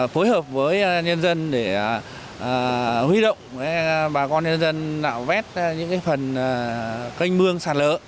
phối hợp với nhân dân để huy động bà con nhân dân đạo vét những cái phần canh mương sàn lỡ